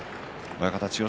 親方、千代翔